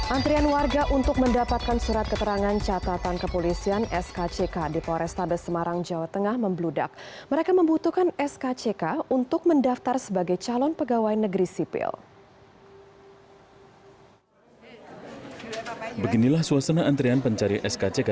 antrian warga untuk mendapatkan surat keterangan catatan kepolisian skck